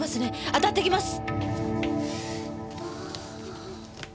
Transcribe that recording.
当たってきます！